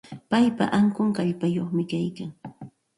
Paypa ankun kallpayuqmi kaykan.